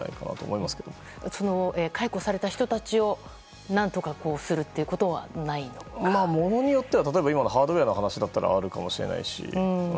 解雇された人たちを何とかするということはものによっては今のハードウェアの話だったらあるかもしれないし。